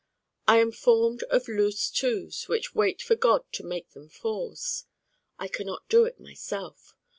I am formed of loose Twos which wait for God to make them Fours. I can not do it myself.